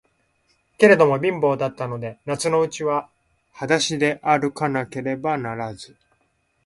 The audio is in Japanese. けれども、貧乏だったので、夏のうちははだしであるかなければならず、